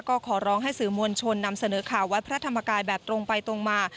ก็ขอร้องให้สื่อมวลชนนำเสนอข่าววัดพระธรรมกายแบบตรงไปตรงมา